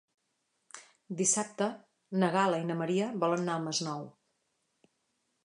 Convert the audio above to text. Dissabte na Gal·la i na Maria volen anar al Masnou.